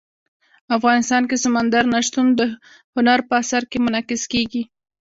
افغانستان کې سمندر نه شتون د هنر په اثار کې منعکس کېږي.